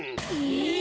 え！